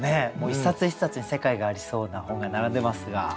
一冊一冊に世界がありそうな本が並んでますが。